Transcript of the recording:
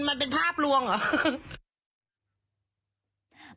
มันเป็นภาพลวงเหรอ